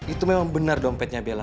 itu memang benar dompetnya bella